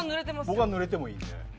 僕は濡れてもいいんで。